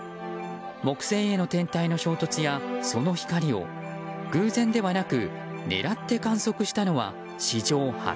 木星への天体の衝突や、その光を偶然ではなく狙って観測したのは史上初。